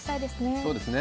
そうですね。